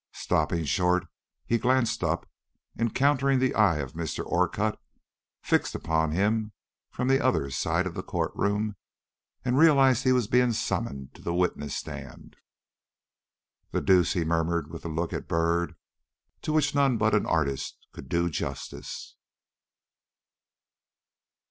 Stopping short, he glanced up, encountered the eye of Mr. Orcutt fixed upon him from the other side of the court room, and realized he was being summoned to the witness stand. "The deuce!" he murmured, with a look at Byrd to which none but an artist could do justice.